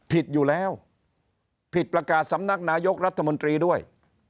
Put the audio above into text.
ผิดอยู่แล้วผิดประกาศสำนักนายกรัฐมนตรีด้วย